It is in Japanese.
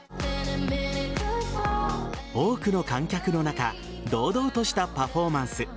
多くの観客の中堂々としたパフォーマンス。